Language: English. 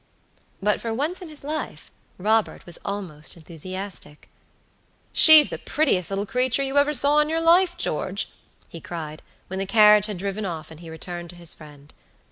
But, for once in his life, Robert was almost enthusiastic. "She's the prettiest little creature you ever saw in your life, George," he cried, when the carriage had driven off and he returned to his friend.